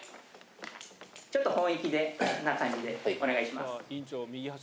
ちょっとほんいきな感じでお願いします。